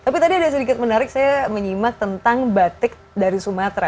tapi tadi ada sedikit menarik saya menyimak tentang batik dari sumatera